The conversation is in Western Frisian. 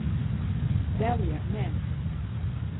Belje mem.